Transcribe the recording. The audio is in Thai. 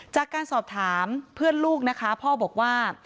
จากการสอบถามเพื่อนลูกนะคะพ่อบอกว่า